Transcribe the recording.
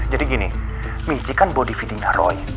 jadi gini benci kan bawa dvd nya roy